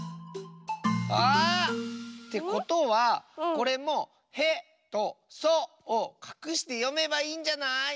あ！ってことはこれも「へ」と「そ」をかくしてよめばいいんじゃない？